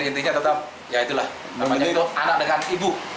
jadi intinya tetap ya itulah namanya itu anak dengan ibu